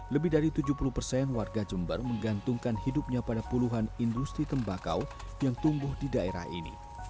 lebih dari tujuh puluh persen warga jember menggantungkan hidupnya pada puluhan industri tembakau yang tumbuh di daerah ini